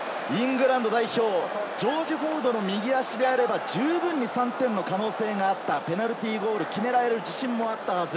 ジョージ・フォードの右足であれば十分に３点の可能性があったペナルティーゴール、決められる自信もあったはず。